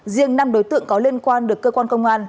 riêng năm đối tượng có liên quan được cơ quan công an